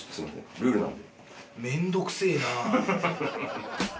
ルールなんで。